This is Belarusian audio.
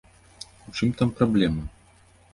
У чым там праблема?